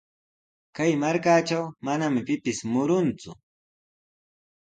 Kay markatraw manami pipis murunku.